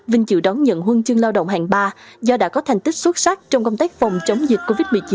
vinh chịu đón nhận huân chương lao động hạng ba do đã có thành tích xuất sắc trong công tác phòng chống dịch covid một mươi chín